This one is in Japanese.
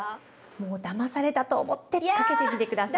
もうだまされたと思ってかけてみて下さい。